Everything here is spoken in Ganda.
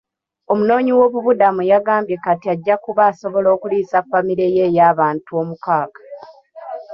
Omunoonyi w'obubuddamu yagambye kati ajja kuba asobola okuliisa famire ye eyabantu omukaaga.